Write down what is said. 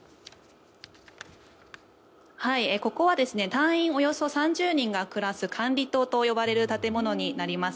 ここは隊員およそ３０人が暮らす管理棟と呼ばれる建物になります。